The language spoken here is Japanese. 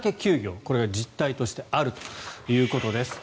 これが実態としてあるということです。